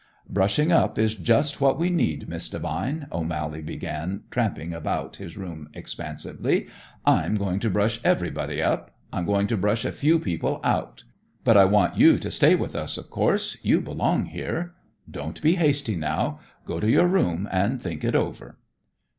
"Brushing up is just what we need, Miss Devine." O'Mally began tramping about his room expansively. "I'm going to brush everybody up. I'm going to brush a few people out; but I want you to stay with us, of course. You belong here. Don't be hasty now. Go to your room and think it over."